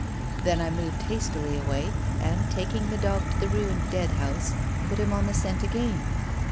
Then I moved hastily away, and, taking the dog to the ruined dead house, put him on the scent again.